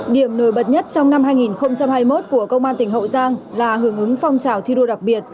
điểm nổi bật nhất trong năm hai nghìn hai mươi một của công an tỉnh hậu giang là hưởng ứng phong trào thi đua đặc biệt